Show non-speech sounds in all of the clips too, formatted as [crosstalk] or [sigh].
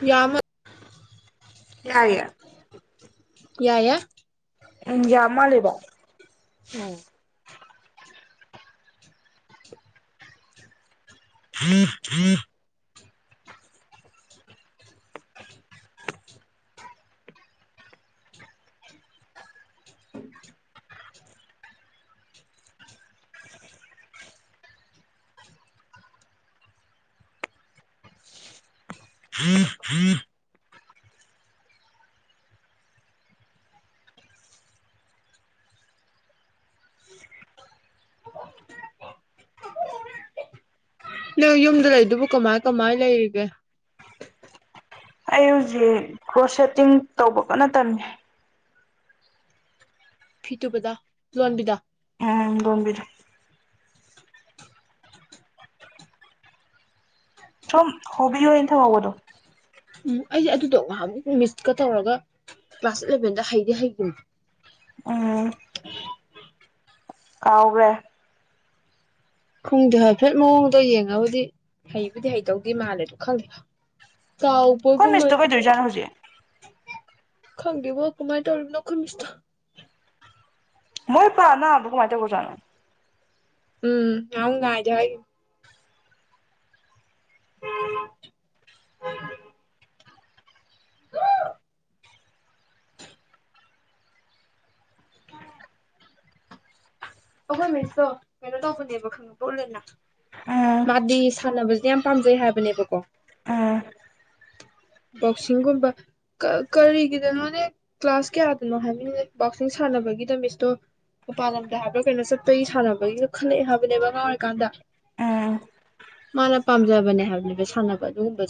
ꯌꯥꯃ ꯌꯥꯔ ꯌꯥ ꯌꯥꯏꯌꯦ ꯎꯝ ꯌꯥꯝ ꯃꯥꯜꯂꯤꯦꯕꯣ ꯍꯝ ꯍꯨꯝ ꯍꯝ ꯍꯝ ꯌꯨꯝꯗ ꯂꯩꯗꯨꯕꯨ ꯀꯃꯥꯏ ꯀꯃꯥꯏ ꯂꯩꯔꯤꯒꯦ ꯑꯩ ꯍꯧꯖꯤꯛ ꯀ꯭ꯔꯣꯁ ꯁꯦꯠꯇꯤꯡ ꯇꯧꯕ ꯀꯟꯅ ꯇꯝꯃꯤ ꯐꯤ ꯇꯨꯕꯗ ꯂꯣꯟꯕꯤꯗ ꯎ ꯝꯕꯤꯔ ꯊꯣ ꯍꯣꯕꯤꯌꯣ ꯏꯟꯊꯧ ꯍꯕꯗꯨ ꯎꯝ ꯑꯩꯁꯦ ꯑꯗꯨꯗꯣ ꯉꯍꯥꯟ ꯃꯤꯁꯀ ꯇꯧꯔꯒ ꯀ꯭ꯂꯥꯁ ꯑꯦꯂꯚꯦꯟꯗ ꯍꯩꯗꯤ ꯍꯩꯒꯅꯤ ꯎꯝ ꯀꯥꯎꯈ꯭ꯔꯦ ꯈꯨꯡꯗꯦ ꯍꯥꯏꯐꯦꯠ ꯃꯑꯣꯡꯗꯣ ꯌꯦꯡꯉꯕꯨꯗꯤ ꯍꯩꯕꯨꯗꯤ ꯍꯩꯇꯧꯗꯤ ꯃꯥꯜꯂꯦꯗ ꯈꯪꯗꯦ ꯆꯥꯎ ꯃꯤꯁ ꯀ ꯏꯖꯥ ꯍꯧꯖꯤꯦ ꯈꯪꯗꯕ ꯀꯃꯥꯏ ꯇꯔ ꯅꯈꯣꯏꯃꯤꯁꯣ ꯃꯣꯏ ꯄꯥ ꯅ ꯃꯥꯏ ꯆꯕꯨꯖꯅꯣ ꯎꯝ ꯍꯧ ꯉꯖ ꯍꯥꯏꯦ ꯑꯣꯝ ꯎ ꯑꯈꯣꯏ ꯃꯤꯁꯇꯣ ꯀꯩꯅꯣ ꯇꯧꯕꯅꯦꯕ ꯈꯪꯉꯄꯂꯦꯅ ꯎꯝ ꯃꯥꯗꯤ ꯁꯥꯟꯅꯕꯁꯦ ꯌꯥꯝ ꯄꯥꯝꯖꯩ ꯍꯥꯏꯕꯅꯦꯕꯀꯣ ꯎꯝ ꯕꯣꯛꯁꯤꯡꯒꯨꯝꯕ ꯀꯔꯤꯒꯤꯗꯅꯣꯅꯦ ꯀ꯭ꯂꯥꯁ ꯀꯌꯥꯗꯅꯣ ꯍꯥꯏꯕꯅꯤꯅꯦ ꯕꯣꯛꯁꯤꯡ ꯁꯥꯟꯅꯕꯒꯤꯗ ꯃꯤꯁꯇꯣ ꯃꯄꯥꯟ ꯂꯝꯗ ꯍꯥꯏꯛ ꯀꯩꯅꯣ ꯆꯠꯄꯒꯤ ꯁꯥꯟꯅꯕꯒꯤꯁꯨ ꯈꯜꯂꯛꯑꯦ ꯍꯥꯏꯕꯅꯦꯕ ꯑꯉꯥꯡ ꯑꯣꯏꯔꯤꯀꯥꯟꯗ ꯎꯝ ꯃꯥꯅ ꯄꯥꯝꯖꯕꯅꯦ ꯍꯥꯏꯕꯅꯦꯕ ꯁꯥꯟꯅꯕ ꯑꯗꯨꯒꯨꯝꯕ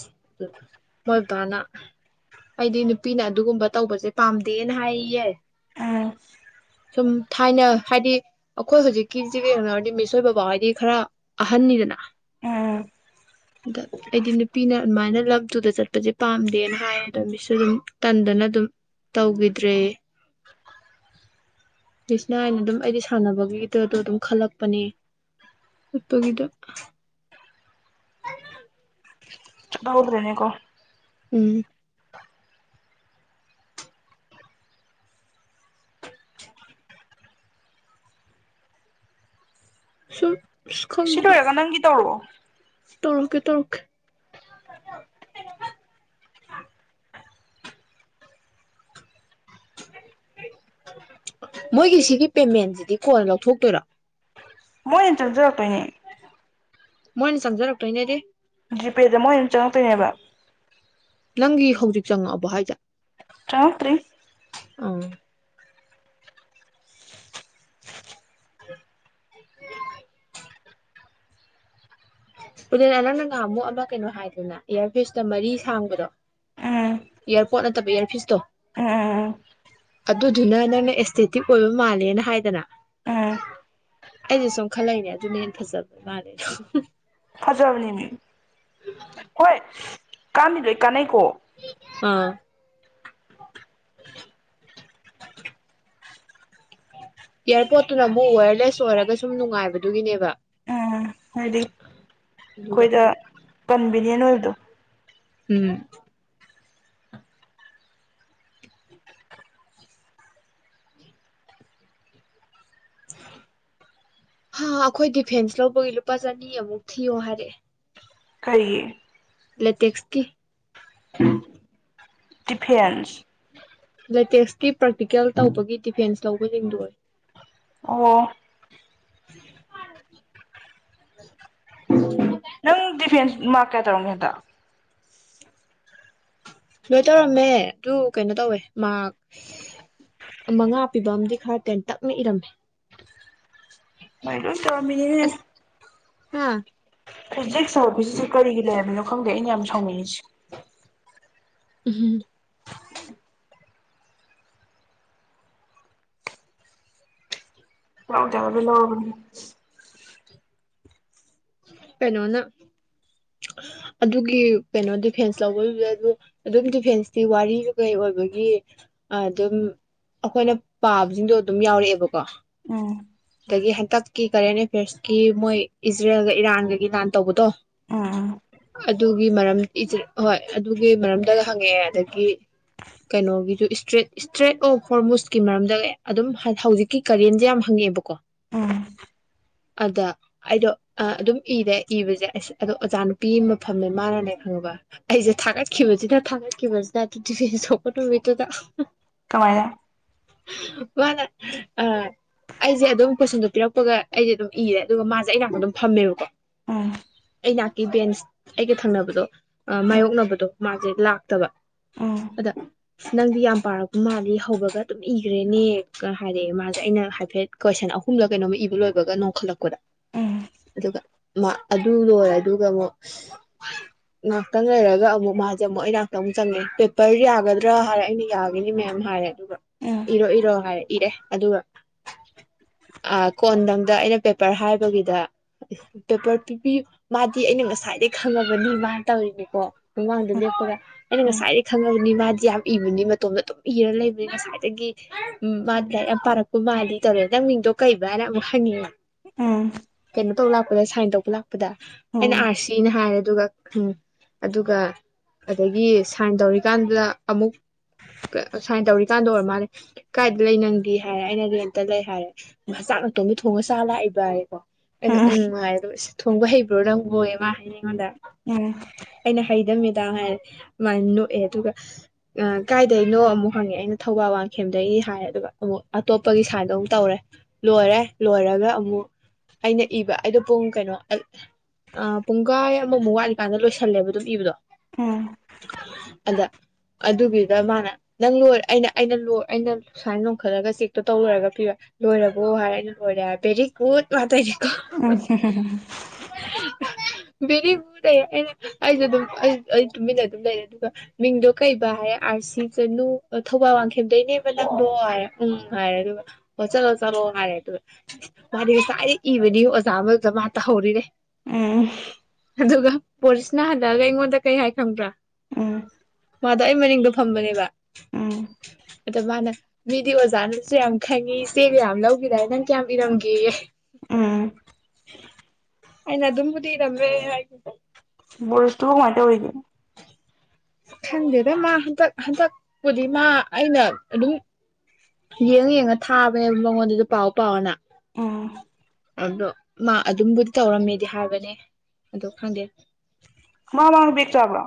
ꯃꯣꯏ ꯕꯕꯥꯅ ꯑꯩꯗꯤ ꯅꯨꯄꯤꯅ ꯑꯗꯨꯒꯨꯝꯕ ꯇꯧꯕꯁꯦ ꯄꯥꯝꯗꯦꯅ ꯍꯥꯏꯌꯦ ꯎꯝ ꯁꯨꯝ ꯊꯥꯏꯅ ꯍꯥꯏꯗꯤ ꯑꯩꯈꯣꯏ ꯍꯧꯖꯤꯛꯀꯤꯁꯤ ꯀꯩꯣꯅ ꯍꯥꯏꯔꯗꯤ ꯃꯤꯁꯣꯏ ꯕꯕꯥ ꯍꯥꯏꯗꯤ ꯈꯔ ꯑꯍꯟꯅꯤꯗꯅ ꯎꯝ ꯑꯗ ꯑꯩꯗꯤ ꯅꯨꯄꯤꯅ ꯑꯗꯨꯃꯥꯏꯅ ꯂꯝꯇꯨꯗ ꯆꯠꯄꯁꯦ ꯄꯥꯝꯗꯦꯅ ꯍꯥꯏ ꯑꯗꯣ ꯃꯤꯁꯁꯨ ꯑꯗꯨꯝ ꯇꯟꯗꯅ ꯑꯗꯨꯝ ꯇꯧꯈꯤꯗ꯭ꯔꯦ ꯁꯅ ꯍꯥꯏꯅ ꯑꯗꯨꯝ ꯑꯩꯗꯤ ꯁꯥꯟꯅꯕꯒꯤꯗꯗꯣ ꯑꯗꯨꯝ ꯈꯜꯂꯛꯄꯅꯦ ꯈꯄꯒꯤꯗ ꯍꯎꯗ꯭ꯔꯔꯤꯅꯤꯒꯣ ꯎꯝ ꯁꯨꯝ ꯑꯁ ꯁꯤ ꯂꯣꯏꯔꯒ ꯅꯪꯒꯤ ꯇꯧꯔꯣ ꯇꯔꯀꯦ ꯇꯔꯀ ꯃꯣꯏꯒꯤ ꯁꯤꯒꯤ ꯄꯦꯃꯦꯟꯁꯤꯗꯤ ꯀꯣꯟ ꯂꯧꯊꯣꯛꯇꯣꯏꯔ ꯃꯣꯏ ꯍ ꯆꯖ ꯇꯣꯏꯅꯦ ꯃꯣꯏꯅ ꯆꯪꯖꯔꯛꯇꯣꯏꯅꯦꯗꯤ ꯖꯤꯄꯦꯗ ꯃꯣꯏ ꯑꯗꯨꯝ ꯆꯪꯉꯛꯇꯣꯏꯅꯦꯕ ꯅꯪꯒꯤ ꯍꯧꯖꯤꯛ ꯆꯪꯉꯛꯑꯕꯣ ꯍꯥꯏꯁꯦ ꯆꯥꯎꯥꯇꯔꯤ ꯑ [unintelligible] ꯄꯨꯅꯦꯅ ꯅꯪ ꯅ ꯉꯍꯥ ꯑꯃꯨꯛ ꯑꯃ ꯀꯩꯅꯣ ꯍꯥꯏꯗꯅ ꯏꯌꯥꯔꯐꯤꯁꯇ ꯃꯔꯤ ꯁꯥꯡꯕꯗꯣ ꯏꯌꯥꯔꯄꯣꯠ ꯅꯠꯇꯕ ꯏꯌꯥꯔꯐꯤꯁꯇꯣ ꯑꯥ ꯑꯗꯨꯗꯨꯅ ꯅꯪꯅ ꯑꯦꯁꯊꯦꯇꯤꯛ ꯑꯣꯏꯕ ꯃꯥꯜꯂꯦꯅ ꯍꯥꯏꯗꯅ ꯎꯝ ꯎꯝ ꯑꯩꯁ ꯁꯨꯝ ꯈꯜꯂꯛꯅꯦ ꯑꯗꯨꯅ ꯍꯦꯟꯅ ꯐꯖꯕ ꯃꯥꯜꯂꯦꯗ ꯐꯖꯕꯅꯤꯃꯤ ꯀꯣꯏ ꯀꯥꯟ ꯂꯣꯏ ꯀꯥꯟꯩ ꯄꯐꯣ ꯑꯝ ꯏꯌꯥꯔꯄꯣꯠꯇꯨꯅ ꯑꯃꯨꯛ ꯋꯦꯌꯔꯂꯦꯁ ꯑꯣꯏꯔꯒ ꯁꯨꯝ ꯅꯨꯡꯉꯥꯏꯕꯗꯨꯒꯤꯅꯦꯕ ꯎꯝ ꯍꯥꯏꯗꯤ ꯑꯗꯨꯒ ꯑꯩꯈꯣꯏꯗ ꯀꯟꯚꯤꯅꯤꯌꯦꯟ ꯑꯣꯏꯕꯗꯣ ꯎꯝ ꯍꯥ ꯑꯩꯈꯣꯏ ꯗꯤꯐꯦꯟꯁ ꯂꯧꯕꯒꯤ ꯂꯨꯄꯥ ꯆꯅꯤ ꯑꯃꯨꯛ ꯊꯤꯌꯣ ꯍꯥꯏꯔꯛꯑꯦ ꯀꯔꯤꯌꯦ ꯇꯦꯛꯦꯛꯁꯇꯦ ꯗꯤꯐꯦꯟꯁ ꯂꯦꯇꯦꯛꯁꯀꯤꯤ ꯄ꯭ꯔꯥꯛꯛꯇꯤꯀꯦꯜ ꯇꯧꯕꯒꯤ ꯗꯤꯐꯦꯟꯁ ꯂꯧꯕ ꯍꯤꯡꯗꯣꯛꯏ ꯑꯣ [unintelligible] ꯃꯥ ꯀꯦ ꯇꯧꯔꯣꯡ ꯍꯗ ꯂꯣꯏ ꯇꯧꯔꯝꯃꯦ ꯑꯗꯨ ꯀꯩꯅꯣ ꯇꯧꯋꯦ ꯃꯥ ꯃꯉꯥ ꯄꯤꯕ ꯑꯃꯗꯤꯝ ꯈꯔ ꯇꯦꯟꯇꯛꯅ ꯏꯔꯝꯃꯦ ꯑꯩ ꯂꯣꯏ ꯇꯧꯔꯃꯃꯤ ꯅꯤꯅꯦ ꯍꯥꯥ ꯐꯤꯖꯤꯛ ꯁꯕꯤ ꯀꯘꯔꯤꯒꯤ ꯂꯦꯕꯣ ꯈꯪꯗꯦ ꯑꯩꯅ ꯌꯥꯝ ꯁꯥꯎꯅꯤꯡꯉꯤꯁꯦ ꯎꯝ ꯂꯧꯗ ꯌꯗꯕ ꯂꯧꯔꯅꯤ ꯀꯩꯅꯣꯅ ꯑꯗꯨꯒꯤ ꯀꯩꯅꯣ ꯗꯤꯐꯦꯟꯁ ꯂꯧꯕꯗꯨꯗ ꯑꯗꯨ ꯑꯗꯨꯝ ꯗꯤꯐꯦꯟꯁꯇꯤ ꯋꯥꯔꯤꯁꯨ ꯀꯩ ꯑꯣꯏꯕꯒꯤ ꯑꯗꯨꯝ ꯑꯩꯈꯣꯏꯅ ꯄꯥꯕꯁꯤꯡꯗꯣ ꯑꯗꯨꯝ ꯌꯥꯎꯔꯛꯑꯦꯕꯀꯣ ꯑꯣ ꯑꯗꯒꯤ ꯍꯟꯇꯛꯀꯤ ꯀꯔꯦꯟ ꯑꯦꯐꯤꯌꯔꯁꯀꯤ ꯃꯣꯏ ꯏꯖꯔꯦꯜꯒ ꯏꯔꯥꯟꯒꯒꯤ ꯅꯥꯟ ꯇꯧꯕꯗꯣ ꯎꯝ ꯑꯗꯨꯒꯤ ꯃꯔꯝ ꯍꯣꯏ ꯑꯗꯨꯒꯤ ꯃꯔꯝꯗꯒ ꯍꯪꯉꯛꯑꯦ ꯑꯗꯒꯤ ꯀꯩꯅꯣꯒꯤꯁꯨ ꯏꯁꯇ꯭ꯔꯦꯠ ꯏꯁꯇ꯭ꯔꯦꯠ ꯑꯣꯐ ꯍꯣꯔꯃꯨꯁꯀꯤ ꯃꯔꯝꯗꯒ ꯑꯗꯨꯝ ꯍꯧꯖꯤꯛꯀꯤ ꯀꯔꯦꯟꯁꯦ ꯌꯥꯝ ꯍꯪꯉꯛꯑꯦꯕꯀꯣ ꯎꯝ ꯑꯗ ꯑꯩꯗꯣ ꯑꯗꯨꯝ ꯏꯔꯦ ꯏꯕꯁꯦꯁ ꯑꯗꯣ ꯑꯣꯖꯥ ꯅꯨꯄꯤ ꯃꯐꯝꯅꯦ ꯃꯥꯅꯅꯦ ꯈꯪꯕ ꯑꯩꯁꯦ ꯊꯥꯒꯠꯈꯤꯕꯁꯤꯅ ꯊꯥꯒꯠꯈꯤꯕꯁꯤꯅ ꯑꯗꯨ ꯇꯤꯚꯦꯟ ꯁꯣꯛꯄ ꯅꯨꯃꯤꯠꯇꯨꯗ ꯀꯃꯥꯏꯅ ꯋꯥꯂ ꯑ ꯑꯩꯁꯦ ꯑꯗꯨꯝ ꯀꯣꯏꯁꯟꯗꯣ ꯄꯤꯔꯛꯄꯒ ꯑꯩꯁꯦ ꯑꯗꯨꯝ ꯏꯔꯦ ꯑꯗꯨꯒ ꯃꯥꯁꯦ ꯑꯩꯅꯥꯛꯅ ꯑꯗꯨꯝ ꯐꯝꯃꯦꯕꯀꯣ ꯎꯝ ꯑꯩ ꯅꯛ ꯒꯤ ꯕꯦꯟꯁ ꯑꯩꯒ ꯊꯪꯅꯕꯗꯣ ꯃꯥꯌꯣꯛꯅꯕꯗꯣ ꯃꯥꯁꯦ ꯂꯥꯛꯇꯕ ꯎꯝ ꯎꯝ ꯑꯗ ꯅꯪꯗꯤ ꯌꯥꯝ ꯄꯥꯔꯛꯄ ꯃꯥꯜꯂꯤ ꯍꯧꯕꯒ ꯑꯗꯨꯝ ꯏꯈ꯭ꯔꯦꯅꯦ ꯍꯥꯏꯗꯤ ꯃꯥꯁꯦ ꯑꯩꯅ ꯍꯥꯏꯐꯦꯠ ꯀꯣꯏꯁꯟ ꯑꯍꯨꯝꯂ ꯀꯩꯅꯣꯝꯃ ꯏꯕ ꯂꯣꯏꯕꯒ ꯅꯣꯡꯈꯠꯂꯛꯄꯗ ꯎꯝ ꯑꯗꯨꯒ ꯃꯥ ꯑꯗꯨ ꯂꯣꯏꯔꯦ ꯑꯗꯨꯒ ꯑꯃꯨꯛ ꯉꯥꯏꯍꯥꯛꯇꯪ ꯂꯩꯔꯒ ꯑꯃꯨꯛ ꯃꯥꯁꯦ ꯑꯃꯨꯛ ꯑꯩ ꯉꯍꯥꯛꯇꯪ ꯑꯃꯨꯛ ꯆꯪꯉꯦ ꯄꯦꯄꯔ ꯌꯥꯒꯗ꯭ꯔꯥ ꯍꯥꯏꯔ ꯑꯩꯅ ꯌꯥꯈꯤꯅꯤ ꯃꯦꯝ ꯍꯥꯏꯔ ꯎꯝ ꯏꯔꯣ ꯏꯔꯣ ꯍꯥꯏ ꯏꯔꯦ ꯑꯗꯨꯒ ꯑ ꯀꯣꯟꯗꯗ ꯑꯩꯅ ꯄꯦꯄꯔ ꯍꯥꯏꯕꯒꯤꯗ ꯄꯦꯄꯔ ꯄꯤꯕꯤ ꯃꯥꯗꯤ ꯑꯩꯅ ꯉꯁꯥꯏꯗꯒꯤ ꯈꯪꯉꯕꯅꯤ ꯃꯥꯅ ꯇꯧꯔꯤꯅꯦꯀꯣ ꯃꯃꯥꯡꯗ ꯂꯦꯞꯄꯔꯥ ꯎꯝ ꯉꯁꯥꯏꯔꯤ ꯈꯪꯉ ꯃꯥꯗꯤ ꯌꯥꯝ ꯏꯕꯅꯤ ꯃꯇꯣꯝꯗ ꯑꯗꯨꯝ ꯏꯔ ꯂꯩꯕꯅꯤ ꯉꯁꯥꯏꯗꯒꯤ ꯎ ꯃꯥꯗꯤ ꯂꯥꯏꯔꯤꯛ ꯌꯥꯝ ꯄꯥꯔꯛꯄ ꯃꯥꯂ ꯇꯧꯔꯦ ꯅꯪ ꯃꯤꯡꯗꯣ ꯀꯩꯕ ꯍꯥꯏꯅ ꯑꯃꯨꯛ ꯍꯅꯤꯡꯉꯦ ꯎꯝ ꯇꯧ ꯂꯥꯛꯄꯗꯏꯥꯏꯟ ꯇꯧꯕ ꯂꯥꯛꯄ ꯑꯩꯅ ꯑꯥꯔ ꯁꯤꯅ ꯍꯥꯏꯔ ꯑꯗꯨꯒ ꯎꯝ ꯑꯗꯨꯒ ꯑꯗꯒꯤ ꯁꯥꯏꯟ ꯇꯧꯔꯤꯀꯥꯟꯗꯨꯗ ꯑꯃꯨꯛ ꯁꯥꯏꯟ ꯇꯧꯔꯤꯀꯥꯟꯗ ꯑꯣꯏꯔ ꯃꯥꯜꯂꯤ ꯀꯥꯏꯗ ꯂꯩ ꯅꯪꯒꯦ ꯍꯥꯏꯔꯦ ꯑꯩꯅ ꯂꯩ ꯍꯥꯏꯔꯦ ꯃꯆꯥꯛ ꯅꯇꯣꯝꯒꯤ ꯊꯣꯡꯉ ꯆ ꯂꯥꯛꯏꯕ ꯍꯥꯏꯔꯦꯀꯣ ꯑꯩꯅ ꯎ ꯉꯥꯏꯗꯣ ꯊꯣꯡꯕ ꯍꯩꯕ ꯍꯩꯕꯔꯣ ꯅꯪꯕꯨꯌꯦ ꯍꯥꯏꯡꯉꯣꯟꯗ ꯑꯩꯅ ꯍꯩꯗ ꯃꯦꯃ ꯍꯥꯏꯔꯦ ꯑꯗꯨꯃꯥꯏꯅ ꯅꯣꯛꯑꯦ ꯑꯗꯨꯒ ꯀꯥꯏꯗꯒꯤꯅꯣ ꯑꯃꯨꯛ ꯍꯪꯉꯦ ꯑꯩꯅ ꯊꯧꯕꯥꯜ ꯋꯥꯡꯈꯦꯝꯗꯒꯤ ꯍꯥꯏꯔ ꯑꯗꯨꯒ ꯑꯃꯨꯛ ꯑꯇꯣꯞꯄꯒꯤ ꯑꯗꯨ ꯇꯧꯔꯦ ꯂꯣꯏꯔꯦ ꯂꯣꯏꯔꯒ ꯑꯃꯨꯛ ꯑꯩꯅ ꯏꯕ ꯑꯩꯗꯣ ꯄꯨꯡ ꯀꯩꯅꯣ ꯄꯨꯡ ꯀꯥꯏ ꯑꯃꯃꯨꯛ ꯋꯥꯠꯂꯤꯀꯥꯟꯗ ꯂꯣꯏꯁꯜꯂꯦꯕ ꯑꯗꯨꯝ ꯏꯕꯗꯣ ꯎꯝ ꯑꯗ ꯑꯗꯨꯒꯤꯗ ꯃꯥꯅ ꯅꯪ ꯂꯣꯏ ꯑꯩꯅ ꯑꯩꯅ ꯂꯣꯏ ꯑꯩꯅ ꯁꯨꯃꯥꯏꯅ ꯂꯣꯈꯠꯂꯒ ꯆꯦꯛꯇꯣ ꯇꯧꯔꯨꯔꯒ ꯂꯣꯏꯔꯕꯣ ꯍꯥꯏꯔꯅ ꯂꯣꯏꯔꯦꯔ ꯕꯦꯔꯤ ꯒꯨꯗ ꯋꯥꯇꯅꯦ ꯎꯝ꯫ ꯕꯦꯔꯤꯕꯒꯨ ꯂꯩ ꯑꯩꯩꯅ ꯑꯩꯁꯨ ꯑꯗꯨꯝ ꯑꯩ ꯑꯩ ꯇꯨꯃꯤꯟꯅ ꯑꯗꯨꯝ ꯂꯩꯔꯦ ꯑꯗꯨꯒ ꯃꯤꯡꯗꯣ ꯀꯩꯕ ꯍꯥꯏꯔꯦ ꯑꯥꯔ ꯁꯤ ꯆꯅꯨ ꯊꯧꯕꯥꯜ ꯋꯥꯡꯈꯦꯝꯗꯩꯅꯦꯕ ꯅꯪꯗꯣ ꯍꯥꯏꯔꯦ ꯎꯝ ꯍꯥꯏꯔꯦ ꯑꯗꯨꯒ ꯑꯣ ꯆꯠꯂꯣ ꯆꯠꯂꯣ ꯍꯥꯏꯔꯦ ꯑꯗꯨ ꯃꯥꯗꯤ ꯉꯁꯥꯏꯗꯤ ꯏꯕꯅꯤ ꯑꯣꯖꯥ ꯑꯃ ꯑꯣꯖꯥ ꯃꯥ ꯇꯍꯧꯔꯤꯅꯦꯦ ꯑ ꯑꯗꯨꯒ ꯄꯣꯔꯤꯁꯅ ꯍꯜꯂꯛꯑꯒ ꯑꯩꯉꯣꯟꯗ ꯀꯩ ꯍꯥꯏ ꯈꯪꯕ꯭ꯔꯥ ꯎꯝ ꯃꯥꯗꯣ ꯑꯩ ꯃꯅꯤꯡꯗꯣ ꯐꯝꯕꯅꯦꯕ ꯎꯝ ꯑꯗ ꯃꯥꯅ ꯃꯤꯗꯤ ꯑꯣꯖꯥꯅꯁꯨ ꯌꯥꯝ ꯍꯪꯉꯤ ꯏꯆꯦ ꯀꯌꯥꯝ ꯂꯧꯒꯗꯥꯏ ꯅꯪ ꯀꯌꯥꯝ ꯏꯔꯝꯒꯦ ꯎꯝ ꯑꯩꯅ ꯑꯗꯨꯝꯕꯨꯗꯤ ꯏꯔꯝꯃꯦ ꯣꯔꯁꯇꯨ ꯍ ꯃꯃꯥꯏ ꯇ ꯑꯣꯏꯒ ꯈꯗꯦꯅ ꯃꯥ ꯍꯟꯇꯛ ꯍꯟꯇꯛꯕꯨꯗꯤ ꯃꯥ ꯑꯩꯅ ꯑꯗꯨ ꯌꯦꯡꯉ ꯌꯦꯡꯉ ꯊꯥꯕꯅꯦꯕ ꯃꯉꯣꯟꯗꯁꯨ ꯄꯥꯎ ꯄꯥꯎꯅ ꯎꯝ ꯑꯗꯣ ꯃꯥ ꯑꯗꯨꯝꯕꯨꯗꯤ ꯇꯧꯔꯝꯃꯦꯗꯤ ꯍꯥꯏꯕꯅꯦ ꯑ ꯈꯪꯗꯦ ꯃꯥ ꯂꯉ ꯠꯇꯕ꯭ꯔꯣ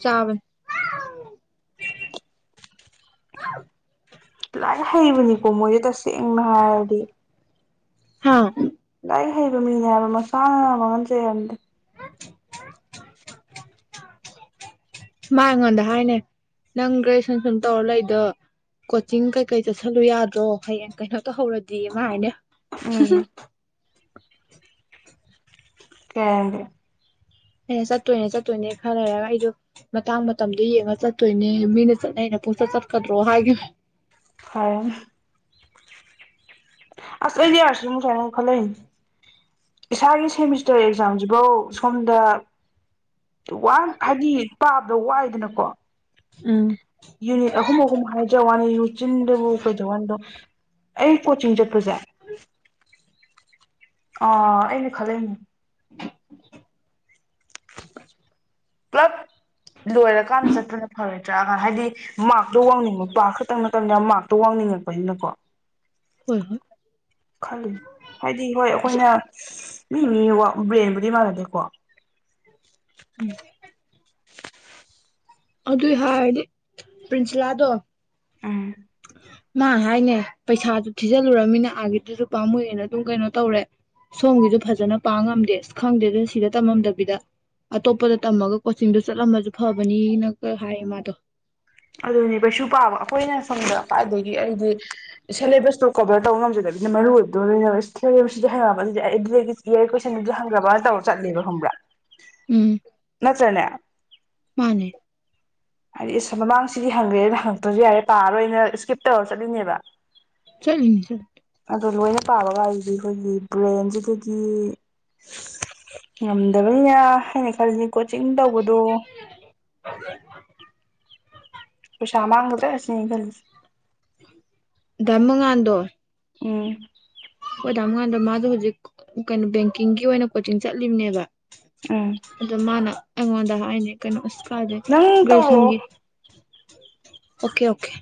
ꯆꯥꯕ ꯂꯥꯏꯅ ꯍꯩꯕꯅꯤꯀꯣ ꯃꯣꯏꯗꯤꯦ ꯇ ꯦꯡꯉꯗꯤ ꯍꯥꯥ ꯑꯩ ꯍꯩꯕ ꯃꯤꯅꯦ ꯍꯥꯏꯕ ꯃꯁꯥꯅ ꯃꯥꯡꯍꯟꯖꯩꯔꯝꯗꯦ ꯃꯥ ꯑꯩꯉꯣꯟꯗ ꯍꯥꯏꯅꯦ ꯅꯪ ꯒ꯭ꯔꯦꯖꯨꯌꯦꯦꯁꯟꯁꯨꯝ ꯇꯧꯔ ꯂꯩꯗꯣ ꯀꯣꯆꯤꯡ ꯀꯩꯀꯩ ꯆꯠꯁꯜꯂꯨ ꯌꯥꯗ꯭ꯔꯣ ꯍꯌꯦꯡ ꯀꯩꯅꯣ ꯇꯧꯍꯧꯔꯗꯤ ꯃꯥ ꯍꯥꯏꯅꯦ ꯎꯝ ꯁꯁ ꯀꯦ ꯑꯩꯅ ꯆꯠꯇꯣꯏꯅꯦ ꯆꯠꯇꯣꯏꯅꯦ ꯈꯔ ꯂꯩꯔꯒ ꯑꯩꯗꯣ ꯃꯇꯥꯡ ꯃꯇꯝꯗꯣ ꯌꯦꯡꯉ ꯆꯠꯇꯣꯏꯅꯦ ꯃꯤꯅ ꯆꯠꯅ ꯑꯩꯅ ꯄꯨꯡꯆꯠ ꯆꯠꯀꯗ꯭ꯔꯣ ꯍꯥꯏꯈꯤꯕ ꯐꯔ ꯑꯁ ꯑꯦꯗꯤ ꯍꯥꯏꯁ ꯃꯨ ꯊꯥꯏ ꯃꯈ ꯈꯜꯂꯦ ꯏꯁꯥꯒꯤ ꯁꯦꯃꯤꯁꯇꯔ ꯑꯦꯛꯖꯥꯝꯁꯤꯐꯧ ꯁꯣꯝꯗ ꯋꯥꯟ ꯍꯥꯏꯗꯤ ꯄꯥꯕꯗ ꯋꯥꯏꯗꯅꯀꯣ ꯎꯝ ꯌꯨꯅꯤꯠ ꯑꯍꯨꯝ ꯑꯍꯨꯝ ꯍꯥꯏꯖ ꯋꯥꯅꯤ ꯕꯨ ꯀꯩꯗꯥꯟꯗꯣ ꯑꯩ ꯀꯣꯆꯤꯡ ꯆꯠꯄꯁꯦ ꯑ ꯑꯩꯅ ꯈꯜꯂꯅꯦ [unintelligible] ꯄꯨꯂꯞ ꯂꯣꯏꯔꯀꯥꯟꯗ ꯆꯠꯄꯅ ꯐꯔꯣꯏꯗ꯭ꯔꯥꯒ ꯍꯥꯏꯗꯤ ꯃꯥꯥꯛꯛꯇꯣ ꯋꯥꯡꯅꯤꯡꯕꯄꯥꯥ ꯈ ꯃꯇꯝ ꯃꯇꯝꯗ ꯌꯥꯝ ꯃꯥꯔꯛꯇꯣ ꯋꯥꯡꯅꯤꯡꯉꯛꯄꯁꯤꯅꯀꯣ ꯍꯣꯏ ꯍꯣꯏ ꯈꯜꯂꯤ ꯍꯥꯏꯗꯤ ꯍꯣꯏ ꯑꯁ ꯑꯩꯈꯣꯏꯅ ꯃꯤ ꯃꯤ ꯕ꯭ꯔꯦꯟꯕꯨꯗꯤ ꯃꯥꯟꯅꯗꯦꯀꯣ ꯎꯝ ꯑꯗꯨꯏ ꯍꯥꯏꯔꯗꯤ ꯄ꯭ꯔꯤꯟꯁꯤꯂꯥꯗꯣ ꯎꯝ ꯃꯥ ꯍꯥꯏꯅꯦ ꯄꯩꯁꯥꯁꯨ ꯊꯤꯖꯤꯜꯂꯨꯔꯃꯤꯅ ꯑꯥꯒꯤꯗꯨꯁꯨ ꯄꯥꯝꯃꯨꯑꯦꯅ ꯑꯗꯨꯝ ꯀꯩꯅꯣ ꯇꯧꯔꯦ ꯁꯣꯝꯒꯤꯁꯨ ꯐꯖꯅ ꯄꯥꯝ ꯉꯝꯗꯦ ꯑꯁ ꯈꯪꯗꯦ ꯑꯗꯨꯅ ꯁꯤꯗ ꯇꯝꯃꯝꯗꯕꯤꯗ ꯑꯇꯣꯞꯄꯗ ꯇꯝꯃꯒ ꯀꯣꯆꯤꯡꯗꯣ ꯆꯠꯂꯝꯃꯁꯨ ꯐꯕꯅꯤꯅ ꯑ ꯍꯃꯗ ꯑꯗꯨꯅꯦ ꯀꯩꯁꯨ ꯄꯥꯕ ꯑꯩꯈꯣꯏꯅ ꯁꯪꯗ ꯑꯗꯒꯤ ꯑꯩꯗꯤ ꯁꯦꯂꯦꯕꯁꯇꯣ ꯀꯕꯔ ꯇꯧꯕ ꯉꯝꯖꯗꯕꯤꯅ ꯃꯔꯨ ꯑꯣꯏꯕꯣ ꯂꯣꯏꯅ ꯁꯦꯂꯦꯕꯁꯁꯤꯗꯤ ꯍꯩꯉꯛꯑꯕ ꯑꯗꯨꯗꯤ ꯑꯩ ꯑꯗꯨꯗꯒꯤ ꯏꯌꯥꯏ ꯀꯣꯏꯁꯟꯗꯨꯗ ꯍꯪꯗ꯭ꯔꯕꯅ ꯇꯧꯔ ꯆꯠꯂꯦꯕ ꯈꯪꯕ꯭ꯔꯥ ꯎꯝ ꯅꯠꯇ꯭ꯔꯅꯦ ꯃꯥꯅꯦ ꯁꯤꯗꯤ ꯍꯪꯒꯦꯅ ꯍꯪꯉꯛꯇ꯭ꯔꯁꯨ ꯌꯥꯔꯦ ꯄꯥꯔꯣꯏꯅ ꯏꯁꯀꯤꯞ ꯇꯧꯔ ꯆꯠꯂꯤꯅꯦꯕ ꯆꯠꯅꯤ ꯆ ꯑꯗꯣ ꯂꯣꯏꯅ ꯄꯥꯕꯒꯁꯤꯗꯤ ꯑꯩꯈꯣꯏꯒꯤ ꯕ꯭ꯔꯦꯟꯁꯤꯗꯗꯤ ꯉꯝꯗꯕꯅꯤꯅ ꯍꯥꯏꯅ ꯈꯜꯂꯤꯁ ꯀꯣꯆꯤꯡ ꯇꯧꯕꯗꯨ ꯄꯨꯁꯥ ꯃꯥꯡꯒꯗꯁꯤ ꯀꯔꯤꯁꯤ ꯗ ꯃꯉꯥꯟꯗ ꯎꯝ ꯍꯣꯏ ꯇꯥꯝ ꯀꯥꯟꯗ ꯃꯥꯁꯨ ꯍꯧꯖꯤꯛ ꯀꯩꯅꯣ ꯕꯦꯡꯀꯤꯡꯒꯤ ꯑꯣꯏꯅ ꯀꯣꯆꯤꯡ ꯆꯠꯂꯤꯕꯅꯦꯕ ꯑꯝ ꯑꯗ ꯃꯥꯅ ꯑꯩꯉꯣꯟꯗ ꯍꯥꯏꯅꯦ ꯀꯩꯅꯣ ꯀꯥꯖꯦ ꯜ ꯇꯧꯔꯛꯑꯣ ꯁꯒꯤ ꯑꯣꯀꯦ ꯑꯣꯀꯦ